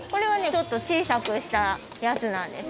ちょっと小さくしたやつなんです。